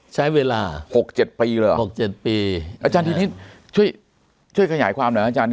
ใช้เวลา๖๗ปีเลยเหรอ๖๗ปีอาจารย์ทีนี้ช่วยขยายความหน่อยอาจารย์